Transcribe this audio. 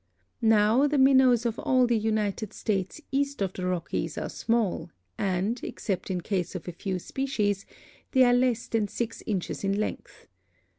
Now the Minnows of all the United States east of the Rockies are small and, except in case of a few species, they are less than six inches in length.